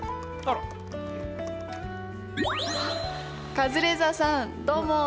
カズレーザーさんどうも。